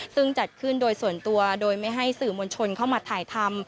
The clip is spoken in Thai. ซึ่งจัดขึ้นโดยส่วนตัวโดยไม่ให้สื่อมวลชนเข้ามาถ่ายทำ